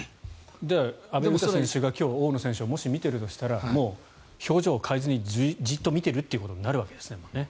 じゃあ、阿部詩選手が今日、大野選手をもし見てるとしたら表情を変えずにじっと見ているということになるわけですね。